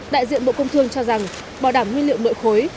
đại diện bộ công thương cho rằng bảo đảm nguyên liệu nội khối